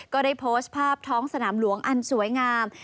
ก็ได้โพสต์ภาพท้องสนามหลวงอันสวยงาม